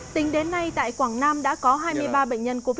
tính đến nay tại quảng nam đã có hai bệnh nhân mắc covid một mươi chín